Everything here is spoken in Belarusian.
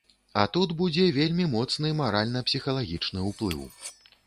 А тут будзе вельмі моцны маральна-псіхалагічны ўплыў.